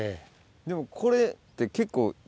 でもこれって結構。